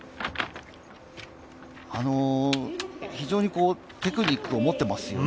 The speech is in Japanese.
非常にテクニックを持っていますよね。